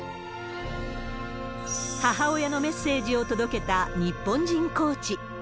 母親のメッセージを届けた日本人コーチ。